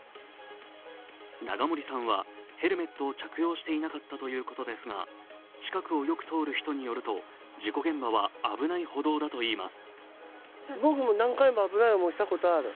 永森さんはヘルメットを着用していなかったということですが近くをよく通る人によると、事故現場は危ない歩道だといいます。